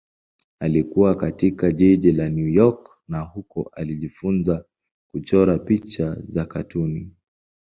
Alikua katika jiji la New York na huko alijifunza kuchora picha za katuni.